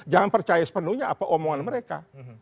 jangan percaya sepenuhnya apa omongan mereka